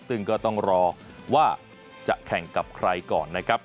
ซึ่งก็ต้องรอว่าจะแข่งกับใครก่อนนะครับ